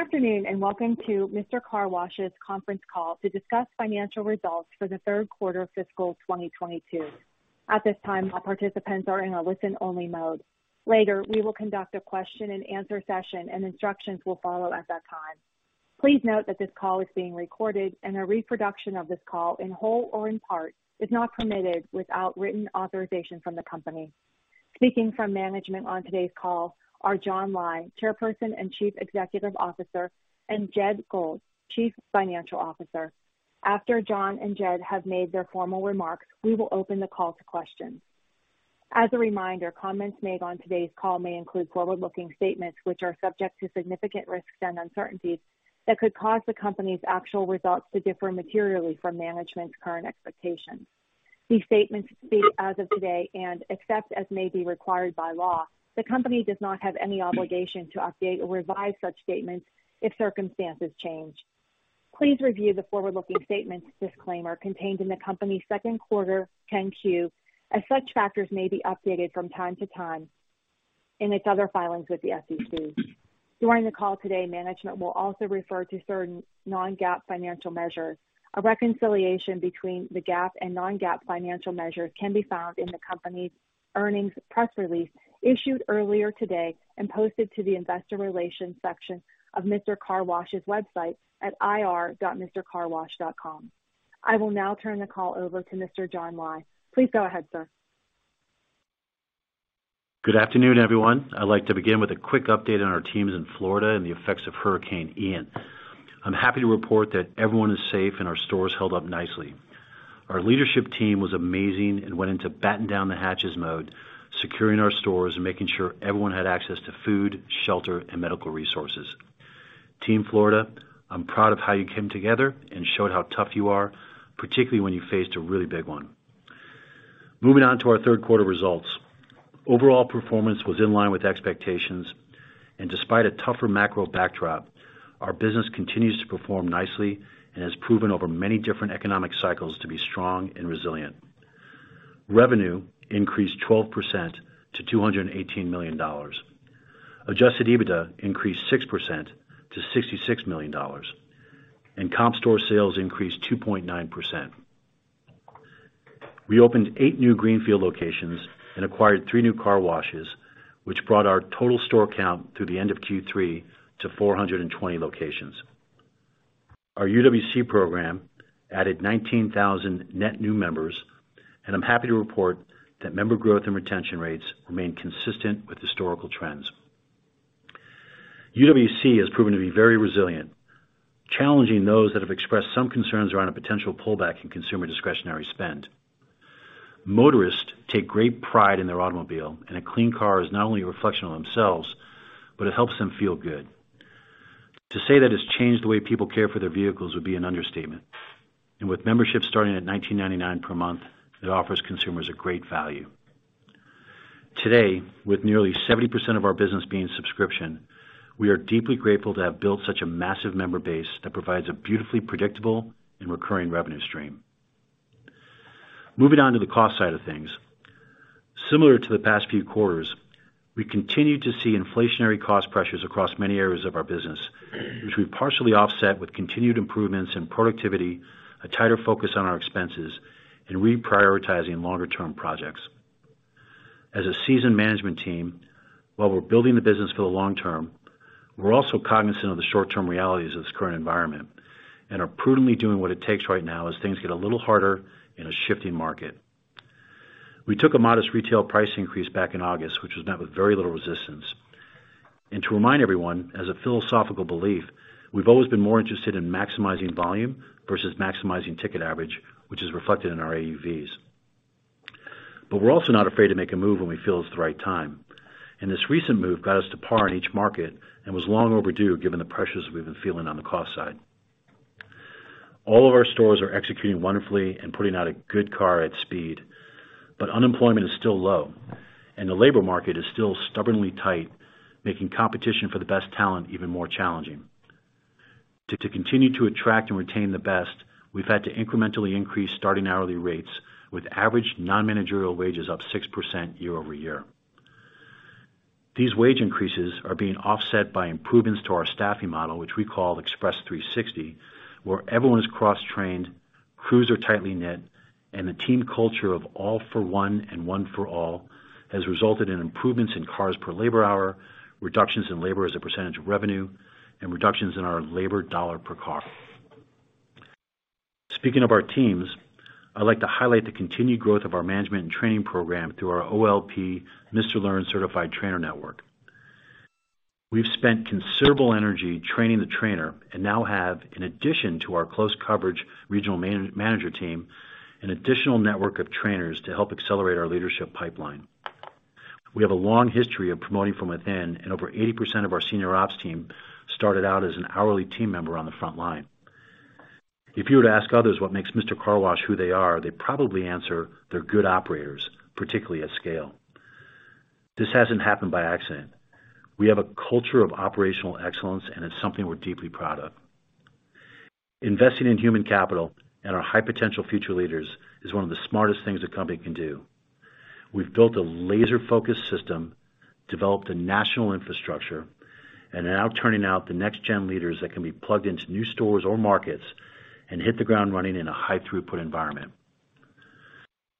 Good afternoon, and welcome to Mister Car Wash's conference call to discuss financial results for the third quarter of fiscal 2022. At this time, all participants are in a listen-only mode. Later, we will conduct a question-and-answer session, and instructions will follow at that time. Please note that this call is being recorded, and a reproduction of this call in whole or in part is not permitted without written authorization from the company. Speaking from management on today's call are John Lai, Chairperson and Chief Executive Officer, and Jed Gold, Chief Financial Officer. After John and Jed have made their formal remarks, we will open the call to questions. As a reminder, comments made on today's call may include forward-looking statements which are subject to significant risks and uncertainties that could cause the company's actual results to differ materially from management's current expectations. These statements speak as of today and, except as may be required by law, the company does not have any obligation to update or revise such statements if circumstances change. Please review the forward-looking statements disclaimer contained in the company's second quarter 10-Q, as such factors may be updated from time to time in its other filings with the SEC. During the call today, management will also refer to certain non-GAAP financial measures. A reconciliation between the GAAP and non-GAAP financial measures can be found in the company's earnings press release issued earlier today and posted to the investor relations section of Mister Car Wash's website at ir.mistercarwash.com. I will now turn the call over to Mr. John Lai. Please go ahead, sir. Good afternoon, everyone. I'd like to begin with a quick update on our teams in Florida and the effects of Hurricane Ian. I'm happy to report that everyone is safe, and our stores held up nicely. Our leadership team was amazing and went into batten down the hatches mode, securing our stores and making sure everyone had access to food, shelter, and medical resources. Team Florida, I'm proud of how you came together and showed how tough you are, particularly when you faced a really big one. Moving on to our third quarter results. Overall performance was in line with expectations, and despite a tougher macro backdrop, our business continues to perform nicely and has proven over many different economic cycles to be strong and resilient. Revenue increased 12% to $218 million. Adjusted EBITDA increased 6% to $66 million, and comp store sales increased 2.9%. We opened eight new greenfield locations and acquired three new car washes, which brought our total store count through the end of Q3 to 420 locations. Our UWC program added 19,000 net new members, and I'm happy to report that member growth and retention rates remain consistent with historical trends. UWC has proven to be very resilient, challenging those that have expressed some concerns around a potential pullback in consumer discretionary spend. Motorists take great pride in their automobile, and a clean car is not only a reflection on themselves, but it helps them feel good. To say that it's changed the way people care for their vehicles would be an understatement. With membership starting at $19.99 per month, it offers consumers a great value. Today, with nearly 70% of our business being subscription, we are deeply grateful to have built such a massive member base that provides a beautifully predictable and recurring revenue stream. Moving on to the cost side of things. Similar to the past few quarters, we continue to see inflationary cost pressures across many areas of our business, which we partially offset with continued improvements in productivity, a tighter focus on our expenses, and reprioritizing longer-term projects. As a seasoned management team, while we're building the business for the long term, we're also cognizant of the short-term realities of this current environment and are prudently doing what it takes right now as things get a little harder in a shifting market. We took a modest retail price increase back in August, which was met with very little resistance. To remind everyone, as a philosophical belief, we've always been more interested in maximizing volume versus maximizing ticket average, which is reflected in our AUVs. We're also not afraid to make a move when we feel it's the right time. This recent move got us to par in each market and was long overdue given the pressures we've been feeling on the cost side. All of our stores are executing wonderfully and putting out a good car at speed, but unemployment is still low, and the labor market is still stubbornly tight, making competition for the best talent even more challenging. To continue to attract and retain the best, we've had to incrementally increase starting hourly rates with average non-managerial wages up 6% year-over-year. These wage increases are being offset by improvements to our staffing model, which we call Express 360, where everyone is cross-trained, crews are tightly knit, and the team culture of all for one and one for all has resulted in improvements in cars per labor hour, reductions in labor as a percentage of revenue, and reductions in our labor dollar per car. Speaking of our teams, I'd like to highlight the continued growth of our management and training program through our OLP, Mister Learn Certified Trainer Network. We've spent considerable energy training the trainer and now have, in addition to our close coverage regional manager team, an additional network of trainers to help accelerate our leadership pipeline. We have a long history of promoting from within, and over 80% of our senior ops team started out as an hourly team member on the front line. If you were to ask others what makes Mister Car Wash who they are, they'd probably answer, "They're good operators, particularly at scale." This hasn't happened by accident. We have a culture of operational excellence, and it's something we're deeply proud of. Investing in human capital and our high potential future leaders is one of the smartest things a company can do. We've built a laser-focused system, developed a national infrastructure, and are now turning out the next gen leaders that can be plugged into new stores or markets and hit the ground running in a high throughput environment.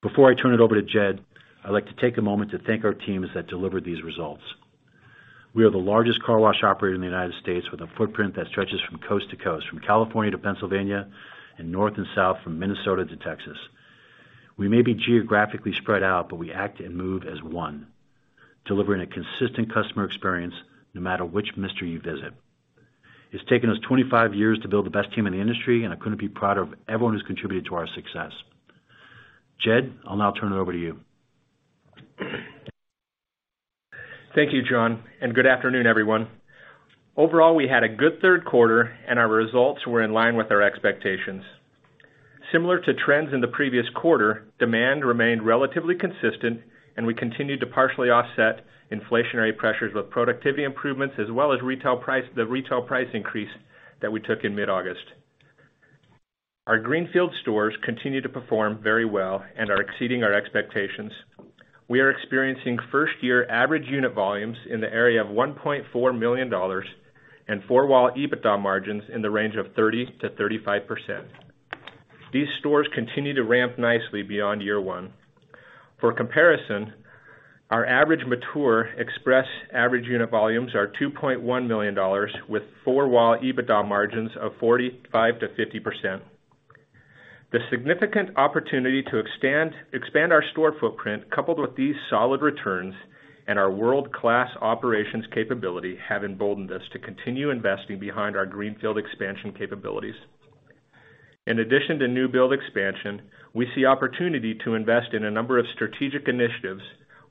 Before I turn it over to Jed, I'd like to take a moment to thank our teams that delivered these results. We are the largest car wash operator in the United States with a footprint that stretches from coast to coast, from California to Pennsylvania, and North and South from Minnesota to Texas. We may be geographically spread out, but we act and move as one, delivering a consistent customer experience no matter which Mister you visit. It's taken us 25 years to build the best team in the industry, and I couldn't be prouder of everyone who's contributed to our success. Jed, I'll now turn it over to you. Thank you, John, and good afternoon, everyone. Overall, we had a good third quarter and our results were in line with our expectations. Similar to trends in the previous quarter, demand remained relatively consistent and we continued to partially offset inflationary pressures with productivity improvements as well as retail price increase that we took in mid-August. Our greenfield stores continue to perform very well and are exceeding our expectations. We are experiencing first-year average unit volumes in the area of $1.4 million, and four-wall EBITDA margins in the range of 30%-35%. These stores continue to ramp nicely beyond year one. For comparison, our average mature express average unit volumes are $2.1 million, with four-wall EBITDA margins of 45%-50%. The significant opportunity to expand our store footprint, coupled with these solid returns and our world-class operations capability, have emboldened us to continue investing behind our greenfield expansion capabilities. In addition to new build expansion, we see opportunity to invest in a number of strategic initiatives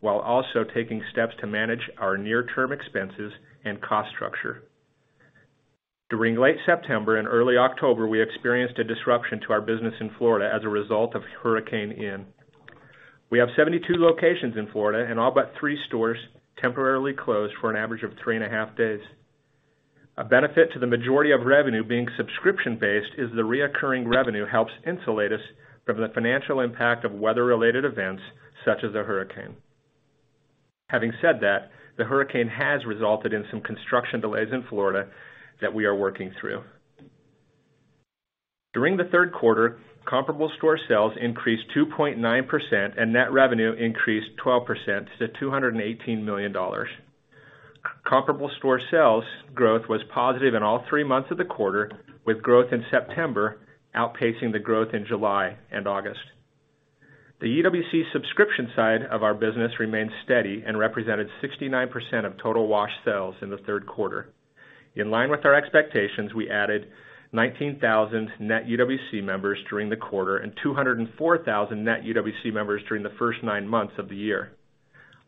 while also taking steps to manage our near-term expenses and cost structure. During late September and early October, we experienced a disruption to our business in Florida as a result of Hurricane Ian. We have 72 locations in Florida and all but three stores temporarily closed for an average of 3.5 days. A benefit to the majority of revenue being subscription-based is the recurring revenue helps insulate us from the financial impact of weather-related events such as a Hurricane. Having said that, the Hurricane has resulted in some construction delays in Florida that we are working through. During the third quarter, comparable store sales increased 2.9% and net revenue increased 12% to $218 million. Comparable store sales growth was positive in all three months of the quarter, with growth in September outpacing the growth in July and August. The UWC subscription side of our business remained steady and represented 69% of total wash sales in the third quarter. In line with our expectations, we added 19,000 net UWC members during the quarter, and 204,000 net UWC members during the first nine months of the year.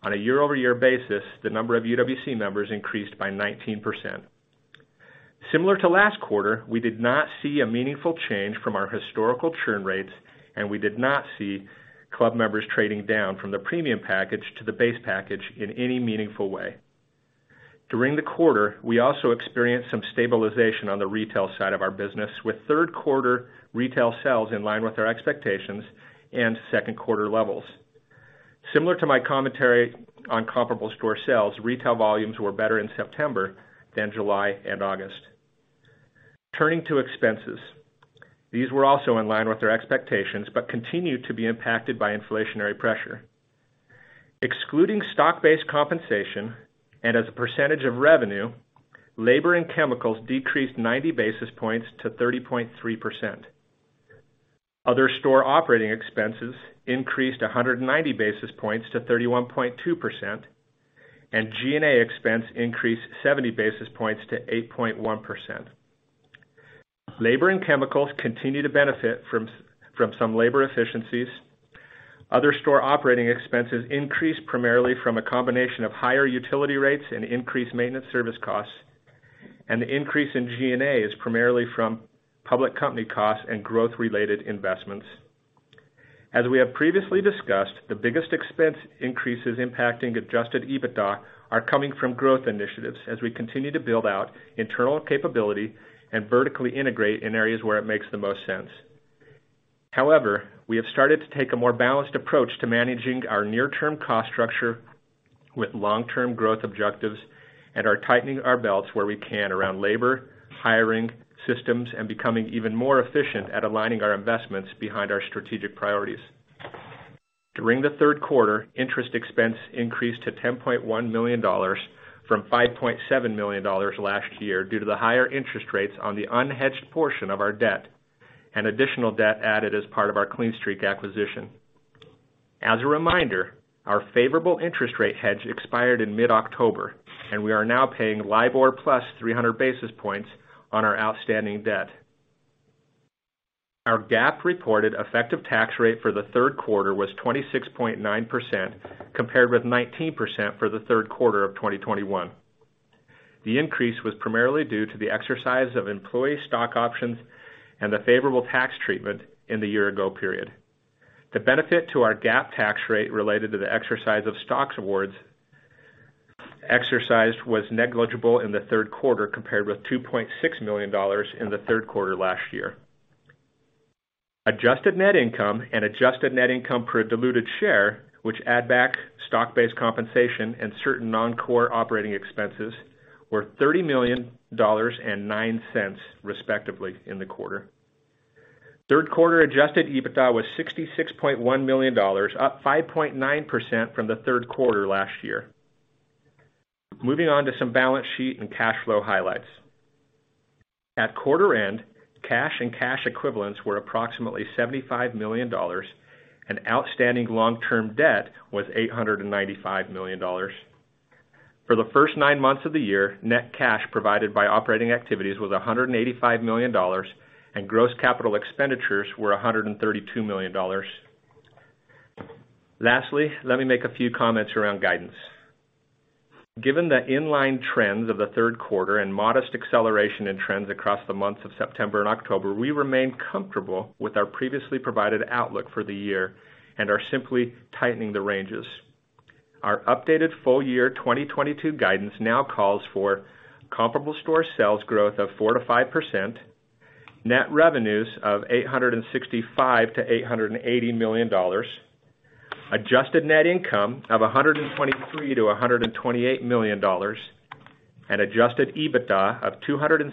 On a year-over-year basis, the number of UWC members increased by 19%. Similar to last quarter, we did not see a meaningful change from our historical churn rates, and we did not see club members trading down from the premium package to the base package in any meaningful way. During the quarter, we also experienced some stabilization on the retail side of our business, with third quarter retail sales in line with our expectations and second quarter levels. Similar to my commentary on comparable store sales, retail volumes were better in September than July and August. Turning to expenses. These were also in line with our expectations, but continued to be impacted by inflationary pressure. Excluding stock-based compensation and as a percentage of revenue, labor and chemicals decreased 90 basis points to 30.3%. Other store operating expenses increased 100 basis points to 31.2%, and G&A expense increased 70 basis points to 8.1%. Labor and chemicals continue to benefit from some labor efficiencies. Other store operating expenses increased primarily from a combination of higher utility rates and increased maintenance service costs. The increase in G&A is primarily from public company costs and growth-related investments. As we have previously discussed, the biggest expense increases impacting adjusted EBITDA are coming from growth initiatives as we continue to build out internal capability and vertically integrate in areas where it makes the most sense. However, we have started to take a more balanced approach to managing our near-term cost structure with long-term growth objectives, and are tightening our belts where we can around labor, hiring, systems, and becoming even more efficient at aligning our investments behind our strategic priorities. During the third quarter, interest expense increased to $10.1 million from $5.7 million last year due to the higher interest rates on the unhedged portion of our debt, an additional debt added as part of our Clean Streak acquisition. As a reminder, our favorable interest rate hedge expired in mid-October, and we are now paying LIBOR plus 300 basis points on our outstanding debt. Our GAAP reported effective tax rate for the third quarter was 26.9%, compared with 19% for the third quarter of 2021. The increase was primarily due to the exercise of employee stock options and the favorable tax treatment in the year ago period. The benefit to our GAAP tax rate related to the exercise of stock awards exercised was negligible in the third quarter compared with $2.6 million in the third quarter last year. Adjusted net income and adjusted net income per diluted share, which add back stock-based compensation and certain non-core operating expenses, were $30 million and $0.09 respectively in the quarter. Third quarter adjusted EBITDA was $66.1 million, up 5.9% from the third quarter last year. Moving on to some balance sheet and cash flow highlights. At quarter end, cash and cash equivalents were approximately $75 million, and outstanding long-term debt was $895 million. For the first nine months of the year, net cash provided by operating activities was $185 million, and gross capital expenditures were $132 million. Lastly, let me make a few comments around guidance. Given the inline trends of the third quarter and modest acceleration in trends across the months of September and October, we remain comfortable with our previously provided outlook for the year and are simply tightening the ranges. Our updated full year 2022 guidance now calls for comparable store sales growth of 4%-5%, net revenues of $865 million-$880 million, adjusted net income of $123 million-$128 million, and adjusted EBITDA of $273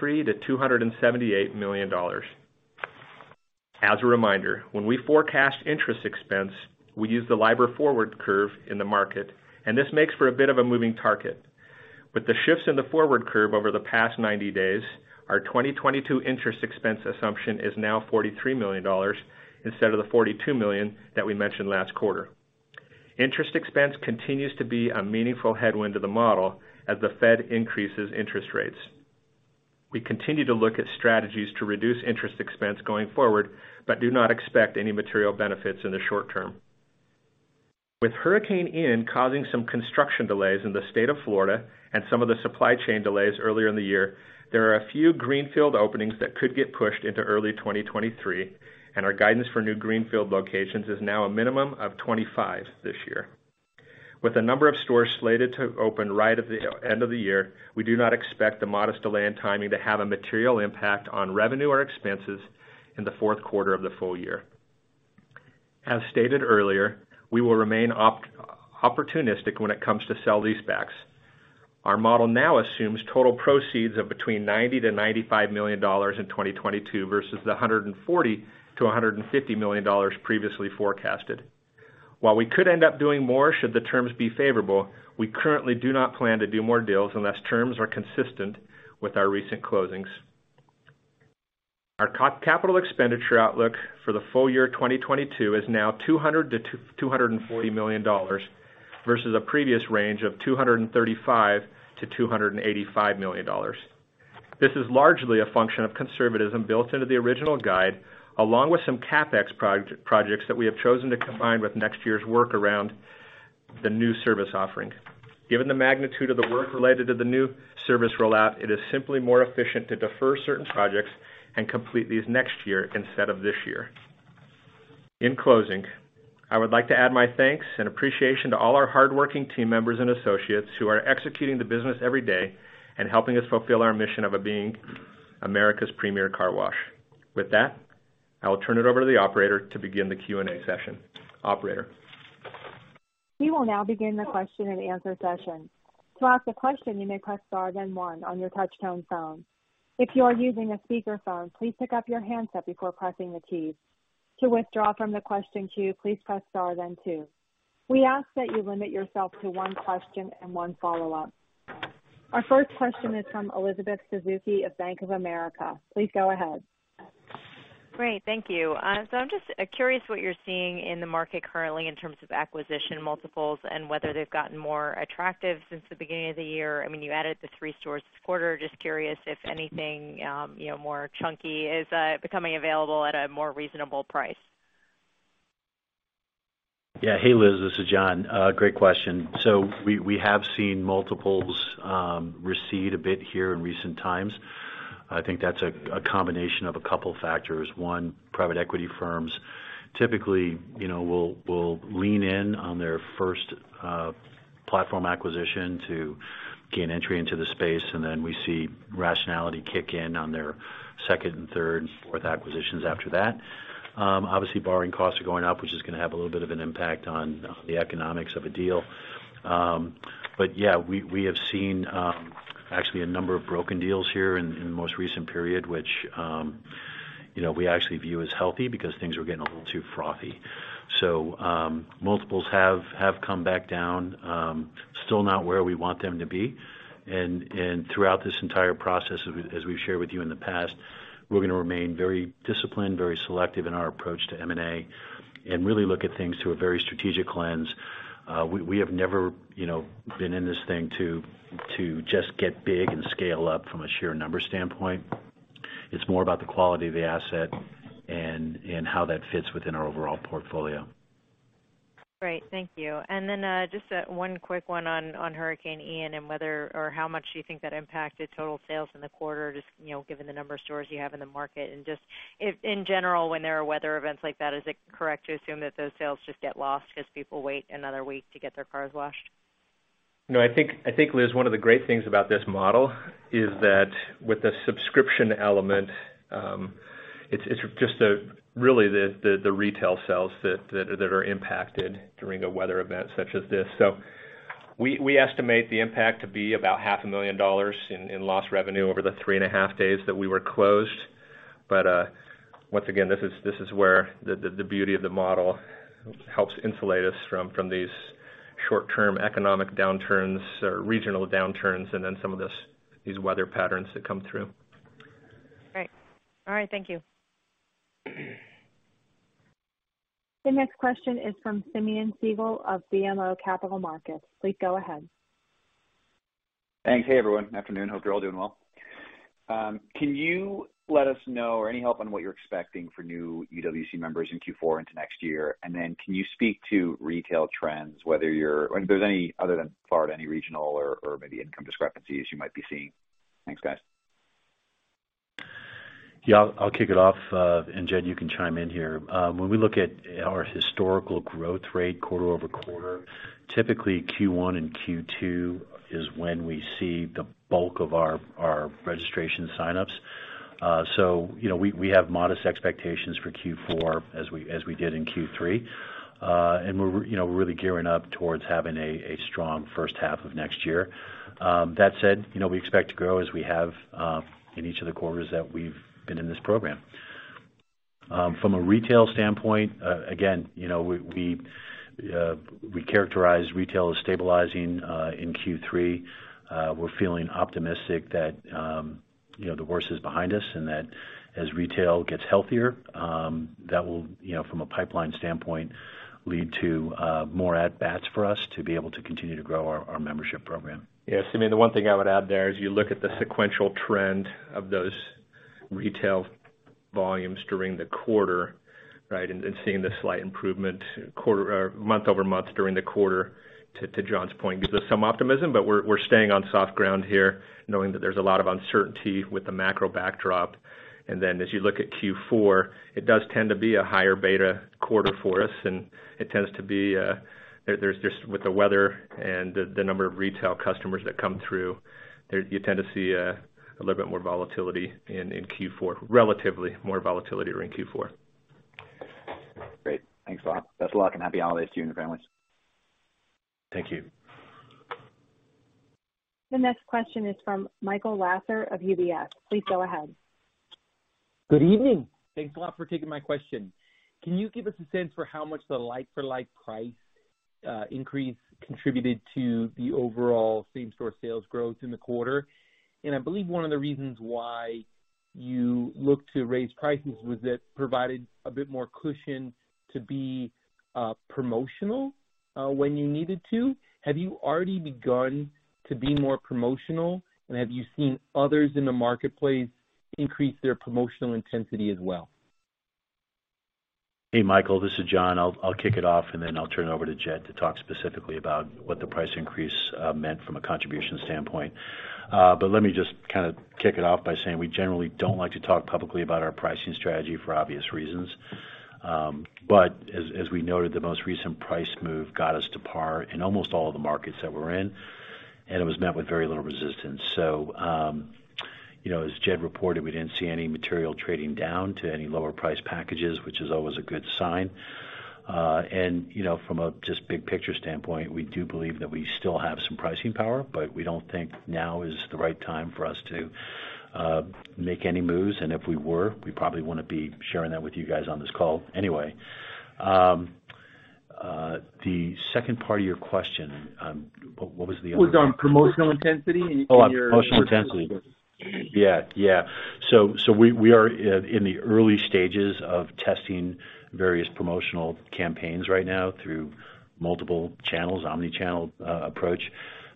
million-$278 million. As a reminder, when we forecast interest expense, we use the LIBOR forward curve in the market, and this makes for a bit of a moving target. With the shifts in the forward curve over the past 90 days, our 2022 interest expense assumption is now $43 million instead of the $42 million that we mentioned last quarter. Interest expense continues to be a meaningful headwind to the model as the Fed increases interest rates. We continue to look at strategies to reduce interest expense going forward, but do not expect any material benefits in the short term. With Hurricane Ian causing some construction delays in the state of Florida and some of the supply chain delays earlier in the year, there are a few greenfield openings that could get pushed into early 2023, and our guidance for new greenfield locations is now a minimum of 25 this year. With a number of stores slated to open right at the end of the year, we do not expect the modest delay in timing to have a material impact on revenue or expenses in the fourth quarter or the full year. As stated earlier, we will remain opportunistic when it comes to sell leasebacks. Our model now assumes total proceeds of between $90 million-$95 million in 2022 versus the $140 million-$150 million previously forecasted. While we could end up doing more should the terms be favorable, we currently do not plan to do more deals unless terms are consistent with our recent closings. Our capital expenditure outlook for the full year 2022 is now $200 million-$240 million versus a previous range of $235 million-$285 million. This is largely a function of conservatism built into the original guide, along with some CapEx projects that we have chosen to combine with next year's work around the new service offering. Given the magnitude of the work related to the new service rollout, it is simply more efficient to defer certain projects and complete these next year instead of this year. In closing, I would like to add my thanks and appreciation to all our hardworking team members and associates who are executing the business every day and helping us fulfill our mission of being America's premier car wash. With that, I will turn it over to the operator to begin the Q&A session. Operator? We will now begin the question and answer session. To ask a question, you may press star then one on your touch-tone phone. If you are using a speakerphone, please pick up your handset before pressing the keys. To withdraw from the question queue, please press star then two. We ask that you limit yourself to one question and one follow-up. Our first question is from Elizabeth Suzuki of Bank of America. Please go ahead. Great. Thank you. I'm just curious what you're seeing in the market currently in terms of acquisition multiples and whether they've gotten more attractive since the beginning of the year. I mean, you added the three stores this quarter. Just curious if anything, you know, more chunky is becoming available at a more reasonable price. Yeah. Hey, Liz, this is John. Great question. We have seen multiples recede a bit here in recent times. I think that's a combination of a couple factors. One, private equity firms typically, you know, will lean in on their first platform acquisition to gain entry into the space, and then we see rationality kick in on their second and third and fourth acquisitions after that. Obviously borrowing costs are going up, which is gonna have a little bit of an impact on the economics of a deal. Yeah, we have seen actually a number of broken deals here in the most recent period, which, you know, we actually view as healthy because things were getting a little too frothy. Multiples have come back down, still not where we want them to be. Throughout this entire process, as we've shared with you in the past, we're gonna remain very disciplined, very selective in our approach to M&A and really look at things through a very strategic lens. We have never, you know, been in this thing to just get big and scale up from a sheer number standpoint. It's more about the quality of the asset and how that fits within our overall portfolio. Great. Thank you. Just one quick one on Hurricane Ian and whether or how much do you think that impacted total sales in the quarter, you know, given the number of stores you have in the market. Just, if in general, when there are weather events like that, is it correct to assume that those sales just get lost because people wait another week to get their cars washed? No, I think, Liz, one of the great things about this model is that with the subscription element, it's just a really the retail sales that are impacted during a weather event such as this. We estimate the impact to be about half a million dollars in lost revenue over the three and a half days that we were closed. Once again, this is where the beauty of the model helps insulate us from these short-term economic downturns or regional downturns and then some of these weather patterns that come through. Great. All right, thank you. The next question is from Simeon Siegel of BMO Capital Markets. Please go ahead. Thanks. Hey, everyone. Afternoon. Hope you're all doing well. Can you let us know or any help on what you're expecting for new UWC members in Q4 into next year? Can you speak to retail trends, whether if there's any other than Florida, any regional or maybe income discrepancies you might be seeing? Thanks, guys. Yeah, I'll kick it off, and Jed, you can chime in here. When we look at our historical growth rate quarter-over-quarter, typically Q1 and Q2 is when we see the bulk of our registration sign-ups. You know, we have modest expectations for Q4 as we did in Q3. We're, you know, really gearing up towards having a strong first half of next year. That said, you know, we expect to grow as we have in each of the quarters that we've been in this program. From a retail standpoint, again, you know, we characterize retail as stabilizing in Q3. We're feeling optimistic that, you know, the worst is behind us and that as retail gets healthier, that will, you know, from a pipeline standpoint, lead to more at bats for us to be able to continue to grow our membership program. Yeah. Simeon, the one thing I would add there is you look at the sequential trend of those retail volumes during the quarter, right? Seeing the slight improvement month-over-month during the quarter, to John's point, gives us some optimism, but we're staying on soft ground here, knowing that there's a lot of uncertainty with the macro backdrop. Then as you look at Q4, it does tend to be a higher beta quarter for us, and it tends to be. There's just with the weather and the number of retail customers that come through. There you tend to see a little bit more volatility in Q4, relatively more volatility during Q4. Great. Thanks a lot. Best of luck and happy holidays to you and your families. Thank you. The next question is from Michael Lasser of UBS. Please go ahead. Good evening. Thanks a lot for taking my question. Can you give us a sense for how much the like-for-like price increase contributed to the overall same-store sales growth in the quarter? I believe one of the reasons why you look to raise prices was that provided a bit more cushion to be promotional when you needed to. Have you already begun to be more promotional? Have you seen others in the marketplace increase their promotional intensity as well? Hey, Michael, this is John. I'll kick it off and then I'll turn it over to Jed to talk specifically about what the price increase meant from a contribution standpoint. Let me just kinda kick it off by saying we generally don't like to talk publicly about our pricing strategy for obvious reasons. As we noted, the most recent price move got us to par in almost all of the markets that we're in, and it was met with very little resistance. You know, as Jed reported, we didn't see any material trading down to any lower price packages, which is always a good sign. You know, from a just big picture standpoint, we do believe that we still have some pricing power, but we don't think now is the right time for us to make any moves. If we were, we probably wouldn't be sharing that with you guys on this call anyway. The second part of your question, what was the other part? Was on promotional intensity and you. On promotional intensity. Yeah. We are in the early stages of testing various promotional campaigns right now through multiple channels, omni-channel approach,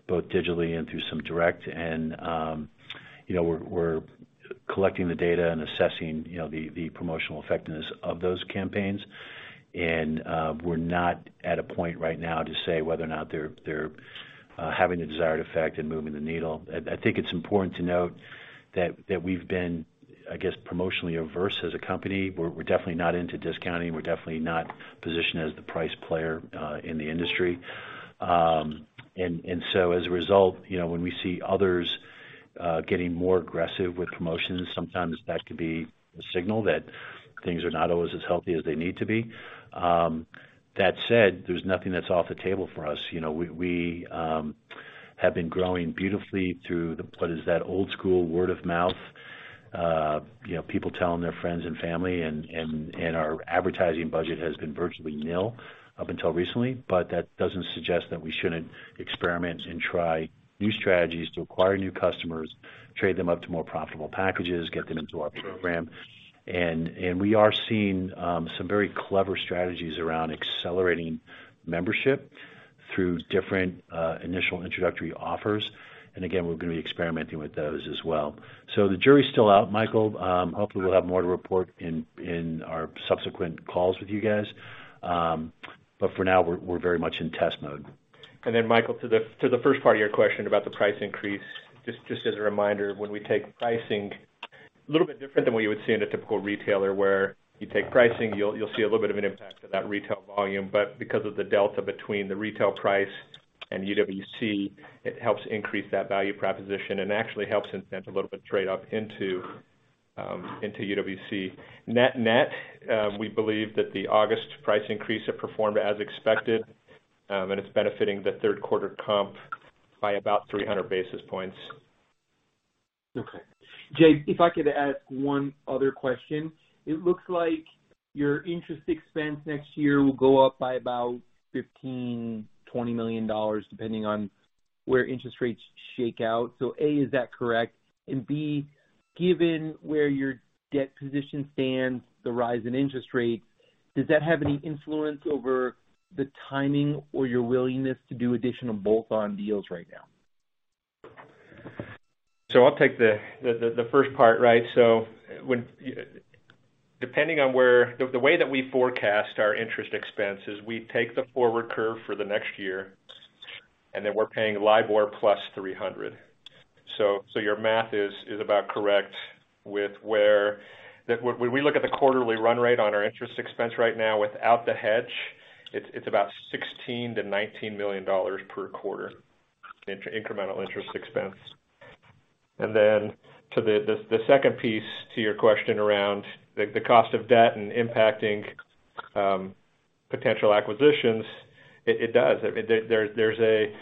both digitally and through some direct. You know, we're collecting the data and assessing you know the promotional effectiveness of those campaigns. We're not at a point right now to say whether or not they're having the desired effect and moving the needle. I think it's important to note that we've been, I guess, promotionally averse as a company. We're definitely not into discounting. We're definitely not positioned as the price player in the industry. As a result, you know, when we see others getting more aggressive with promotions, sometimes that could be a signal that things are not always as healthy as they need to be. That said, there's nothing that's off the table for us. You know, we have been growing beautifully through the what is that old school word of mouth, you know, people telling their friends and family and our advertising budget has been virtually nil up until recently. But that doesn't suggest that we shouldn't experiment and try new strategies to acquire new customers, trade them up to more profitable packages, get them into our program. We are seeing some very clever strategies around accelerating membership through different initial introductory offers. Again, we're gonna be experimenting with those as well. The jury's still out, Michael. Hopefully we'll have more to report in our subsequent calls with you guys. For now, we're very much in test mode. Michael, to the first part of your question about the price increase. Just as a reminder, when we take pricing little bit different than what you would see in a typical retailer where you take pricing, you'll see a little bit of an impact to that retail volume. But because of the delta between the retail price and UWC, it helps increase that value proposition and actually helps incent a little bit trade up into UWC. Net, we believe that the August price increase have performed as expected, and it's benefiting the third quarter comp by about 300 basis points. Okay. Jed, if I could ask one other question. It looks like your interest expense next year will go up by about $15 million-$20 million, depending on where interest rates shake out. A, is that correct? And B, given where your debt position stands, the rise in interest rates, does that have any influence over the timing or your willingness to do additional bolt-on deals right now? I'll take the first part, right? The way that we forecast our interest expense is we take the forward curve for the next year, and then we're paying LIBOR +300. Your math is about correct with that. When we look at the quarterly run rate on our interest expense right now without the hedge, it's about $16 million-$19 million per quarter, incremental interest expense. Then to the second piece to your question around the cost of debt and impacting potential acquisitions, it does. I mean,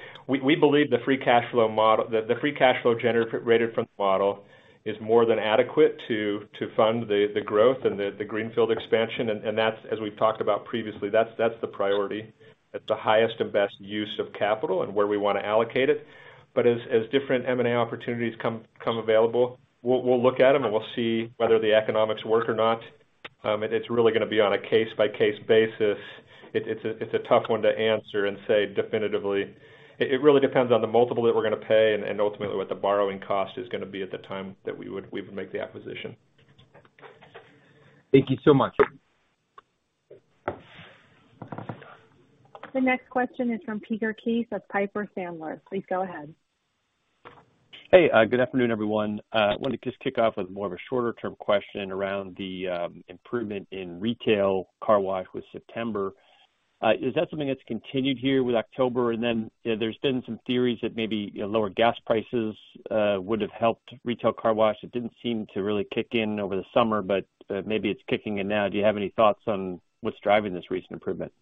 we believe the free cash flow model, the free cash flow generated from the model is more than adequate to fund the growth and the greenfield expansion. That's, as we've talked about previously, that's the priority. That's the highest and best use of capital and where we wanna allocate it. As different M&A opportunities come available, we'll look at them, and we'll see whether the economics work or not. It's really gonna be on a case-by-case basis. It's a tough one to answer and say definitively. It really depends on the multiple that we're gonna pay and ultimately what the borrowing cost is gonna be at the time that we would make the acquisition. Thank you so much. The next question is from Peter Keith of Piper Sandler. Please go ahead. Hey, good afternoon, everyone. Wanted to just kick off with more of a shorter term question around the improvement in retail car wash with September. Is that something that's continued here with October? You know, there's been some theories that maybe lower gas prices would have helped retail car wash. It didn't seem to really kick in over the summer, but maybe it's kicking in now. Do you have any thoughts on what's driving this recent improvement?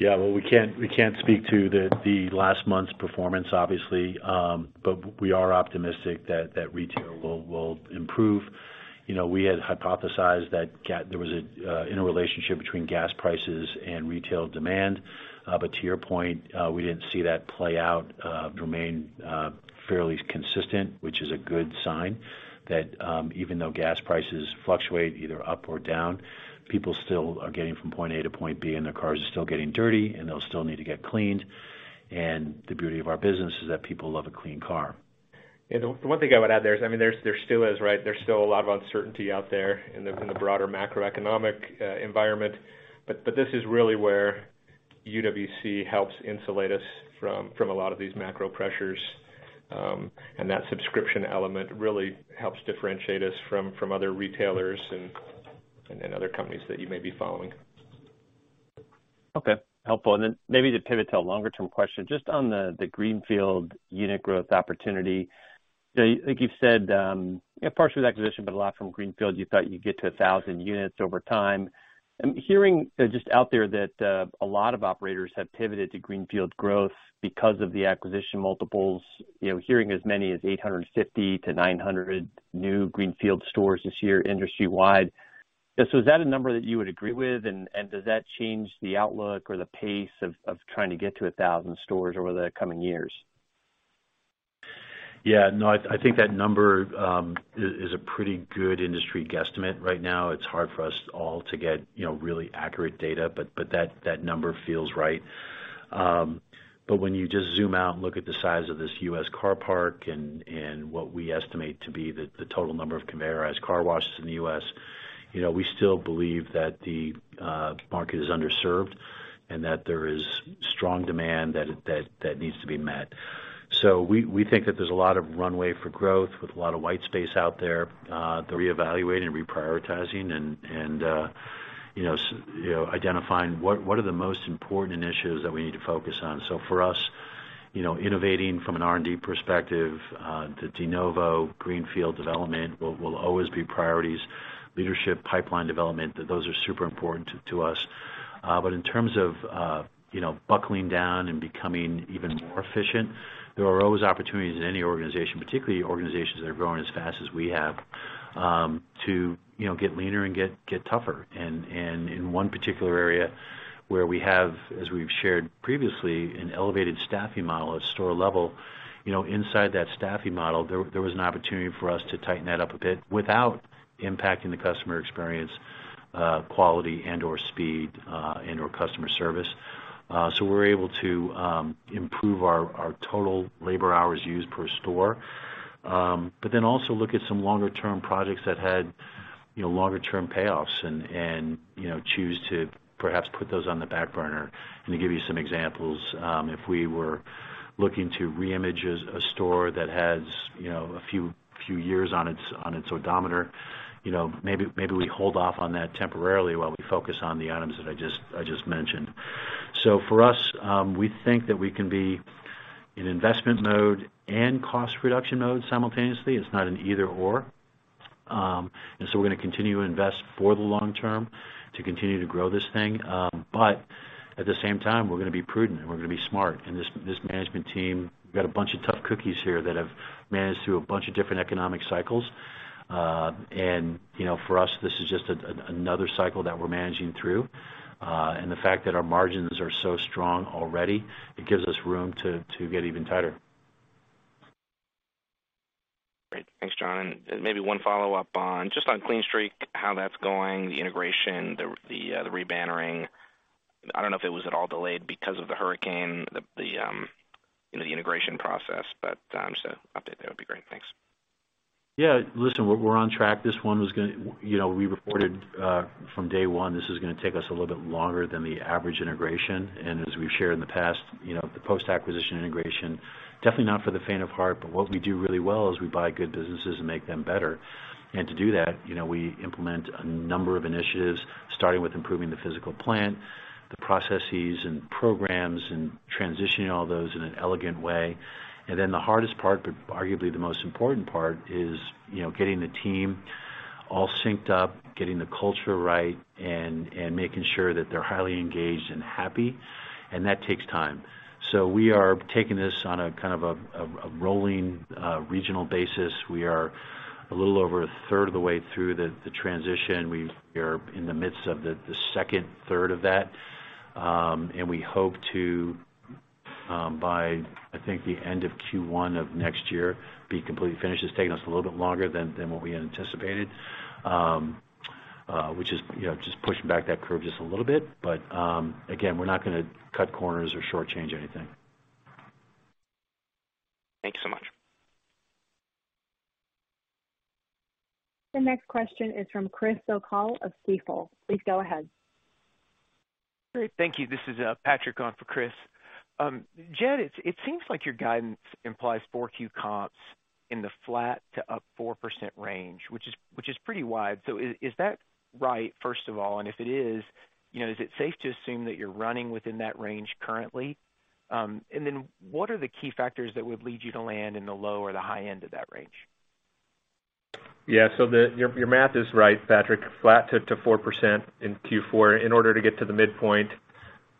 Yeah, well, we can't speak to the last month's performance, obviously. We are optimistic that retail will improve. You know, we had hypothesized that there was an interrelationship between gas prices and retail demand. To your point, we didn't see that play out. It remained fairly consistent, which is a good sign that even though gas prices fluctuate either up or down, people still are getting from point A to point B, and their cars are still getting dirty, and they'll still need to get cleaned. The beauty of our business is that people love a clean car. Yeah, the one thing I would add there is, I mean, there's still a lot of uncertainty out there in the broader macroeconomic environment, right? This is really where UWC helps insulate us from a lot of these macro pressures. That subscription element really helps differentiate us from other retailers and other companies that you may be following. Okay. Helpful. Then maybe to pivot to a longer term question, just on the greenfield unit growth opportunity. You know, I think you've said, you know, partially with acquisition, but a lot from greenfield, you thought you'd get to 1,000 units over time. I'm hearing just out there that a lot of operators have pivoted to greenfield growth because of the acquisition multiples, you know, hearing as many as 850-900 new greenfield stores this year industry-wide. Is that a number that you would agree with? And does that change the outlook or the pace of trying to get to 1,000 stores over the coming years? Yeah, no, I think that number is a pretty good industry guesstimate right now. It's hard for us all to get, you know, really accurate data, but that number feels right. But when you just zoom out and look at the size of this U.S. car park and what we estimate to be the total number of conveyorized car washes in the U.S., you know, we still believe that the market is underserved and that there is strong demand that needs to be met. We think that there's a lot of runway for growth with a lot of white space out there to reevaluate and reprioritizing and you know, identifying what are the most important initiatives that we need to focus on. For us, you know, innovating from an R&D perspective, the de novo greenfield development will always be priorities, leadership, pipeline development, those are super important to us. In terms of, you know, buckling down and becoming even more efficient, there are always opportunities in any organization, particularly organizations that are growing as fast as we have, to you know get leaner and get tougher. In one particular area where we have, as we've shared previously, an elevated staffing model at store level, you know, inside that staffing model, there was an opportunity for us to tighten that up a bit without impacting the customer experience, quality and/or speed, and/or customer service. We're able to improve our total labor hours used per store. also look at some longer term projects that had, you know, longer term payoffs and, you know, choose to perhaps put those on the back burner. To give you some examples, if we were looking to re-image a SA store that has, you know, a few years on its odometer, you know, maybe we hold off on that temporarily while we focus on the items that I just mentioned. For us, we think that we can be in investment mode and cost reduction mode simultaneously. It's not an either/or. we're gonna continue to invest for the long term to continue to grow this thing. at the same time, we're gonna be prudent and we're gonna be smart. This management team, we've got a bunch of tough cookies here that have managed through a bunch of different economic cycles. You know, for us, this is just another cycle that we're managing through. The fact that our margins are so strong already, it gives us room to get even tighter. Great. Thanks, John. Maybe one follow-up on just Clean Streak, how that's going, the integration, the re-bannering. I don't know if it was at all delayed because of the hurricane, you know, the integration process, but just an update there would be great. Thanks. Yeah. Listen, we're on track. You know, we reported from day one, this is gonna take us a little bit longer than the average integration. As we've shared in the past, you know, the post-acquisition integration, definitely not for the faint of heart, but what we do really well is we buy good businesses and make them better. To do that, you know, we implement a number of initiatives, starting with improving the physical plant, the processes and programs, and transitioning all those in an elegant way. Then the hardest part, but arguably the most important part is, you know, getting the team all synced up, getting the culture right, and making sure that they're highly engaged and happy, and that takes time. We are taking this on a kind of a rolling regional basis. We are a little over a third of the way through the transition. We are in the midst of the second third of that. We hope to, by, I think the end of Q1 of next year, be completely finished. It's taking us a little bit longer than what we had anticipated, which is, you know, just pushing back that curve just a little bit. Again, we're not gonna cut corners or shortchange anything. Thank you so much. The next question is from Chris O'Cull of Stifel. Please go ahead. Great. Thank you. This is Patrick on for Chris. Jed, it seems like your guidance implies 4Q comps in the flat to up 4% range, which is pretty wide. Is that right, first of all? If it is, you know, is it safe to assume that you're running within that range currently? What are the key factors that would lead you to land in the low or the high end of that range? Yeah. Your math is right, Patrick. Flat to 4% in Q4. In order to get to the midpoint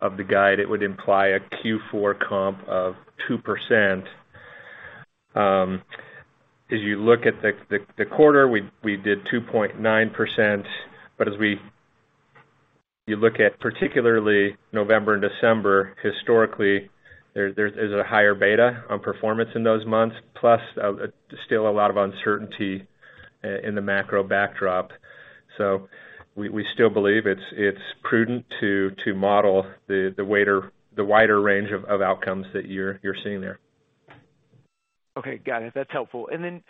of the guide, it would imply a Q4 comp of 2%. As you look at the quarter, we did 2.9%. But as you look at particularly November and December, historically, there is a higher beta on performance in those months, plus, there's still a lot of uncertainty in the macro backdrop. We still believe it's prudent to model the wider range of outcomes that you're seeing there. Okay. Got it. That's helpful. I mean,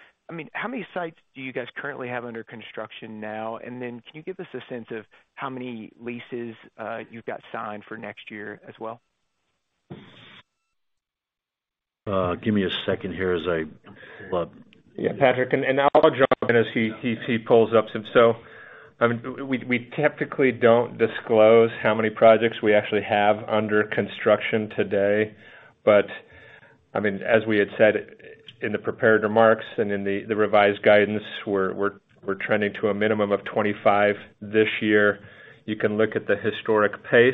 how many sites do you guys currently have under construction now? Can you give us a sense of how many leases you've got signed for next year as well? Give me a second here as I pull up. Yeah, Patrick, and I'll jump in as he pulls up some. I mean, we technically don't disclose how many projects we actually have under construction today. I mean, as we had said in the prepared remarks and in the revised guidance, we're trending to a minimum of 25 this year. You can look at the historic pace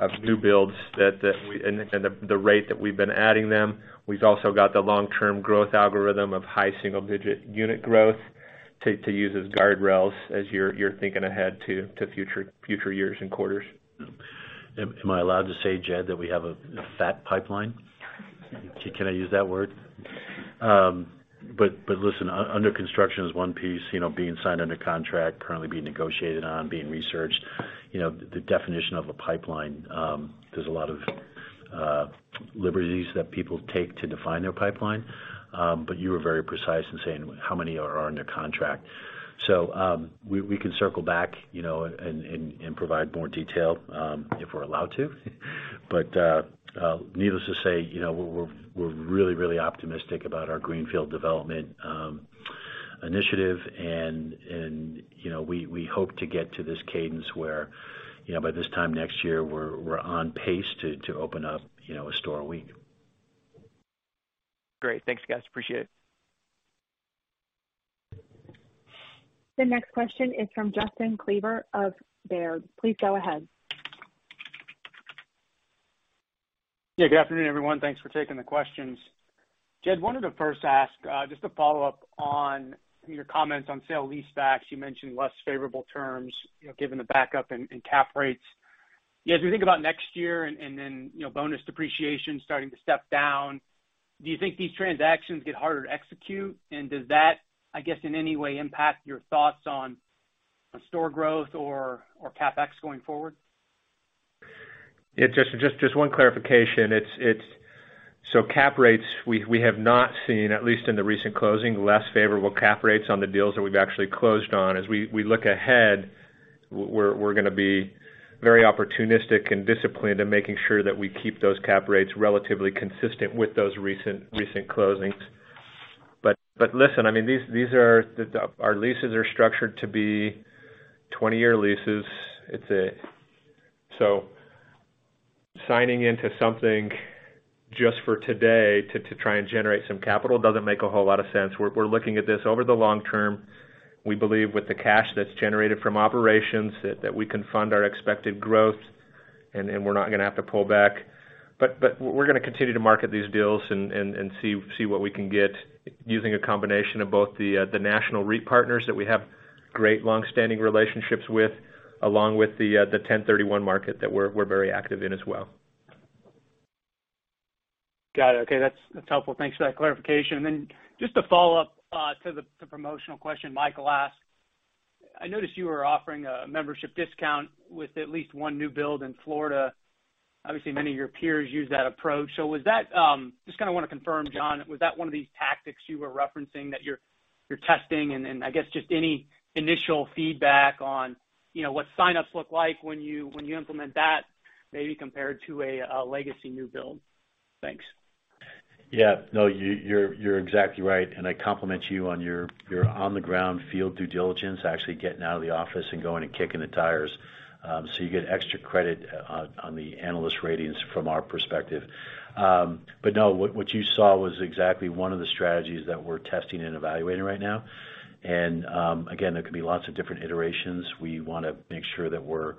of new builds that we and the rate that we've been adding them. We've also got the long-term growth algorithm of high single-digit unit growth to use as guardrails as you're thinking ahead to future years and quarters. Am I allowed to say, Jed, that we have a fat pipeline? Can I use that word? But listen, under construction is one piece, you know, being signed under contract, currently being negotiated on, being researched. You know, the definition of a pipeline, there's a lot of liberties that people take to define their pipeline. But you were very precise in saying how many are under contract. So we can circle back, you know, and provide more detail, if we're allowed to. But needless to say, you know, we're really optimistic about our greenfield development initiative. You know, we hope to get to this cadence where, you know, by this time next year, we're on pace to open up, you know, a store a week. Great. Thanks, guys. Appreciate it. The next question is from Justin Kleber of Baird. Please go ahead. Yeah, good afternoon, everyone. Thanks for taking the questions. Jed, wanted to first ask, just to follow up on your comments on sale leasebacks. You mentioned less favorable terms, you know, given the backup in cap rates. As we think about next year and then, you know, bonus depreciation starting to step down, do you think these transactions get harder to execute? Does that, I guess, in any way impact your thoughts on store growth or CapEx going forward? Yeah, just one clarification. It's cap rates we have not seen, at least in the recent closing, less favorable cap rates on the deals that we've actually closed on. As we look ahead, we're gonna be very opportunistic and disciplined in making sure that we keep those cap rates relatively consistent with those recent closings. Listen, I mean, these are. Our leases are structured to be 20-year leases. It's signing into something just for today to try and generate some capital doesn't make a whole lot of sense. We're looking at this over the long term. We believe with the cash that's generated from operations that we can fund our expected growth and we're not gonna have to pull back. We're gonna continue to market these deals and see what we can get using a combination of both the national REIT partners that we have great long-standing relationships with, along with the 1031 market that we're very active in as well. Got it. Okay, that's helpful. Thanks for that clarification. Just a follow-up to the promotional question Michael asked. I noticed you were offering a membership discount with at least one new build in Florida. Obviously, many of your peers use that approach. Was that just kinda wanna confirm, John, was that one of these tactics you were referencing that you're testing? I guess just any initial feedback on, you know, what sign-ups look like when you implement that, maybe compared to a legacy new build. Thanks. Yeah. No, you're exactly right. I compliment you on your on-the-ground field due diligence, actually getting out of the office and going and kicking the tires. You get extra credit on the analyst ratings from our perspective. No, what you saw was exactly one of the strategies that we're testing and evaluating right now. Again, there can be lots of different iterations. We wanna make sure that we're,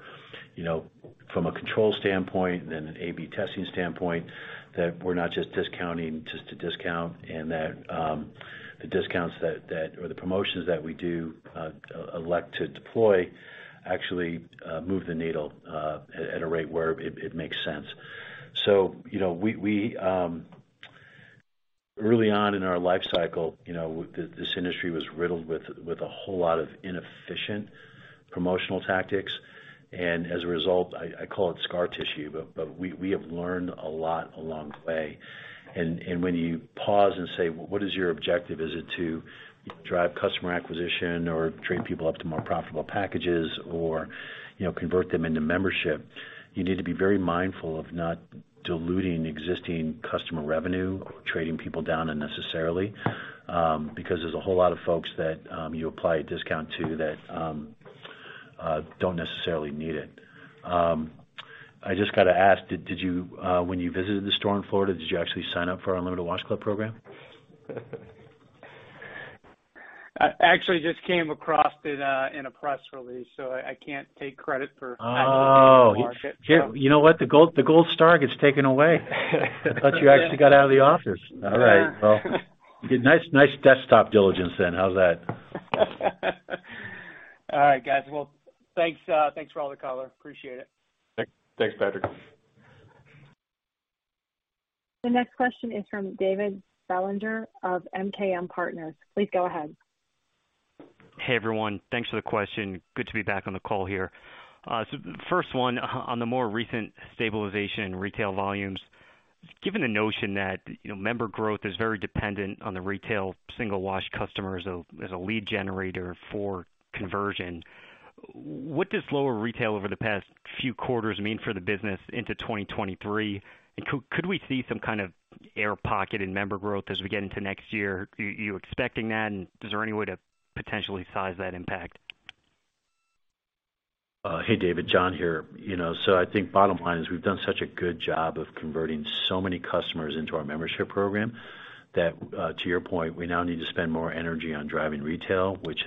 you know, from a control standpoint and an A/B testing standpoint, that we're not just discounting just to discount and that the discounts that or the promotions that we do elect to deploy actually move the needle at a rate where it makes sense. You know, we... Early on in our life cycle, you know, this industry was riddled with a whole lot of inefficient promotional tactics. As a result, I call it scar tissue, but we have learned a lot along the way. When you pause and say, "Well, what is your objective? Is it to drive customer acquisition or train people up to more profitable packages or, you know, convert them into membership?" You need to be very mindful of not diluting existing customer revenue, trading people down unnecessarily, because there's a whole lot of folks that you apply a discount to that don't necessarily need it. I just gotta ask, did you when you visited the store in Florida, did you actually sign up for our Unlimited Wash Club program? I actually just came across it in a press release, so I can't take credit for- Oh. actually hitting the market, so. You know what? The gold star gets taken away. I thought you actually got out of the office. All right. Yeah. Well, nice desktop diligence then. How's that? All right, guys. Well, thanks for all the color. Appreciate it. Thanks, Justin. The next question is from David Bellinger of MKM Partners. Please go ahead. Hey, everyone. Thanks for the question. Good to be back on the call here. So first one, on the more recent stabilization in retail volumes, given the notion that, you know, member growth is very dependent on the retail single wash customers as a lead generator for conversion, what does lower retail over the past few quarters mean for the business into 2023? And could we see some kind of air pocket in member growth as we get into next year? Are you expecting that? And is there any way to potentially size that impact? Hey, David. John here. You know, I think bottom line is we've done such a good job of converting so many customers into our membership program that, to your point, we now need to spend more energy on driving retail, which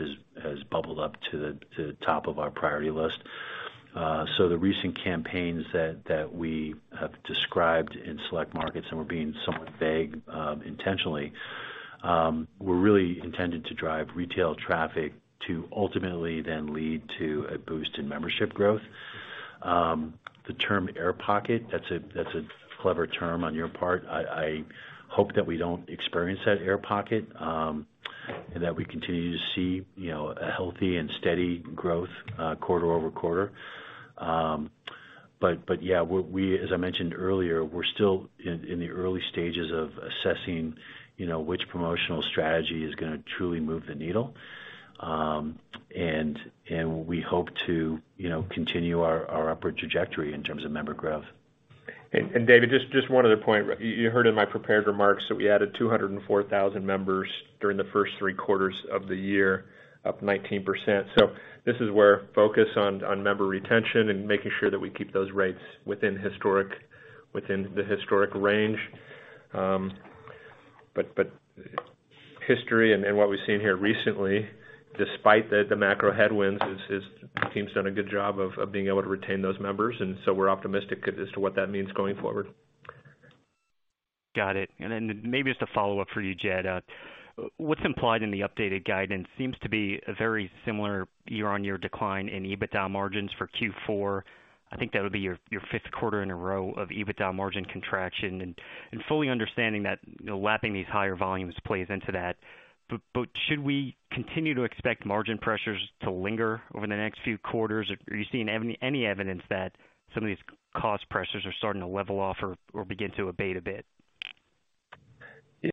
has bubbled up to the top of our priority list. The recent campaigns that we have described in select markets, and we're being somewhat vague, intentionally, were really intended to drive retail traffic to ultimately then lead to a boost in membership growth. The term air pocket, that's a clever term on your part. I hope that we don't experience that air pocket, and that we continue to see, you know, a healthy and steady growth quarter-over-quarter. As I mentioned earlier, we're still in the early stages of assessing, you know, which promotional strategy is gonna truly move the needle. We hope to, you know, continue our upward trajectory in terms of member growth. David, just one other point. You heard in my prepared remarks that we added 204,000 members during the first three quarters of the year, up 19%. This is where focus on member retention and making sure that we keep those rates within the historic range. History and what we've seen here recently, despite the macro headwinds, is the team's done a good job of being able to retain those members, and so we're optimistic as to what that means going forward. Got it. Then maybe just a follow-up for you, Jed. What's implied in the updated guidance seems to be a very similar year-on-year decline in EBITDA margins for Q4. I think that would be your fifth quarter in a row of EBITDA margin contraction. And fully understanding that, you know, lapping these higher volumes plays into that. But should we continue to expect margin pressures to linger over the next few quarters? Or are you seeing any evidence that some of these cost pressures are starting to level off or begin to abate a bit?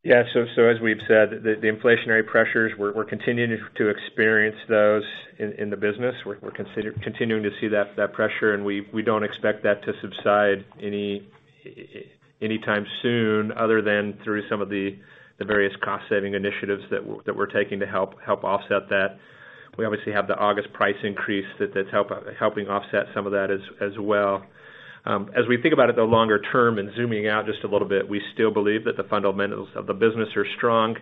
Yeah. As we've said, the inflationary pressures we're continuing to experience those in the business. We're continuing to see that pressure, and we don't expect that to subside anytime soon other than through some of the various cost saving initiatives that we're taking to help offset that. We obviously have the August price increase that's helping offset some of that as well. As we think about it, the longer term and zooming out just a little bit, we still believe that the fundamentals of the business are strong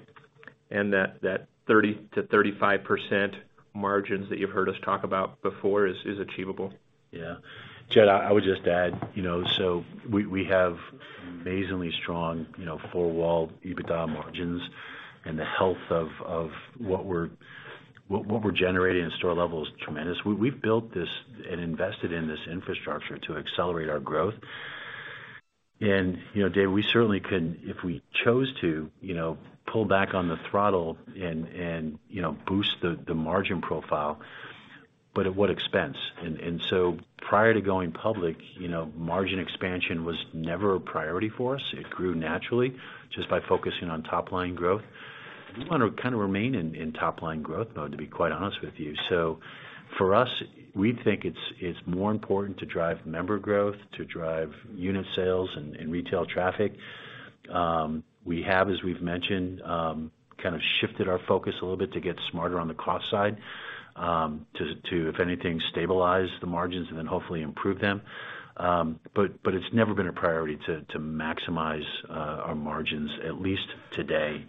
and that 30%-35% margins that you've heard us talk about before is achievable. Yeah. Jed, I would just add, you know, so we have amazingly strong, you know, four-wall EBITDA margins and the health of what we're generating in store level is tremendous. We've built this and invested in this infrastructure to accelerate our growth. You know, David, we certainly can if we chose to, you know, pull back on the throttle and, you know, boost the margin profile, but at what expense? Prior to going public, you know, margin expansion was never a priority for us. It grew naturally just by focusing on top line growth. We wanna kind of remain in top line growth mode, to be quite honest with you. For us, we think it's more important to drive member growth, to drive unit sales and retail traffic. We have, as we've mentioned, kind of shifted our focus a little bit to get smarter on the cost side, to if anything, stabilize the margins and then hopefully improve them. It's never been a priority to maximize our margins, at least today.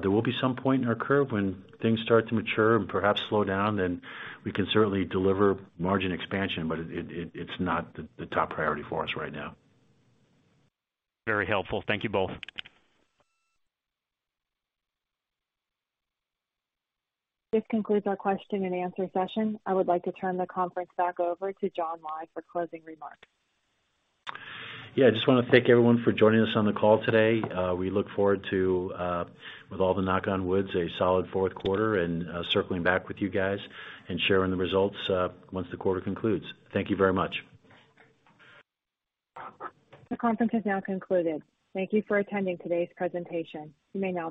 There will be some point in our curve when things start to mature and perhaps slow down, then we can certainly deliver margin expansion, but it's not the top priority for us right now. Very helpful. Thank you both. This concludes our question and answer session. I would like to turn the conference back over to John Lai for closing remarks. Yeah, I just wanna thank everyone for joining us on the call today. We look forward to, with all the knock on wood, a solid fourth quarter and, circling back with you guys and sharing the results, once the quarter concludes. Thank you very much. The conference has now concluded. Thank you for attending today's presentation. You may now disconnect.